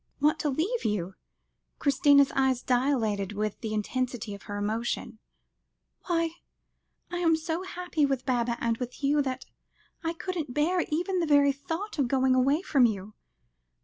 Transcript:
"Want to leave you?" Christina's eyes dilated with the intensity of her emotion; "why I am so happy with Baba and with you, that I couldn't bear even the very thought of going away from you.